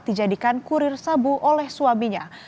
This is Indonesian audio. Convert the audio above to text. dijadikan kurir sabu oleh suaminya